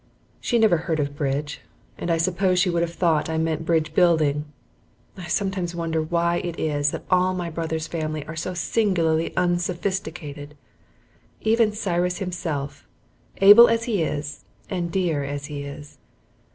She never heard of bridge, and I suppose she would have thought I meant bridge building. I sometimes wonder why it is that all my brother's family are so singularly unsophisticated, even Cyrus himself, able as he is and dear as he is.